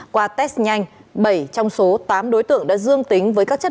qua test nhanh bảy trong số tám đối tượng đã dương tên